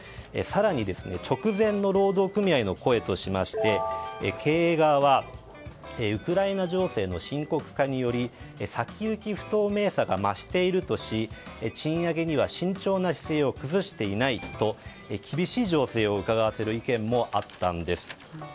更に、直前の労働組合の声としまして経営側はウクライナ情勢の深刻化により先行き不透明さが増しているとし賃上げには慎重な姿勢を崩していないと厳しい情勢をうかがわせる意見もあったんです。